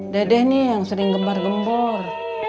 dadah nih yang sering gembar gembur